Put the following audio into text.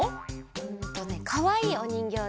うんとねかわいいおにんぎょうで。